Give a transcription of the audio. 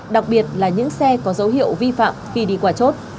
đặc biệt là những xe có dấu hiệu vi phạm khi đi qua chốt